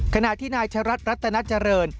ขณะที่นายชะรัฐรัตนาเจริญ